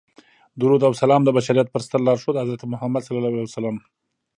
درود او سلام د بشریت په ستر لارښود حضرت محمد صلی الله علیه وسلم.